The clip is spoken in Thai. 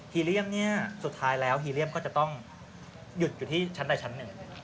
เรียมเนี่ยสุดท้ายแล้วฮีเรียมก็จะต้องหยุดอยู่ที่ชั้นใดชั้นหนึ่ง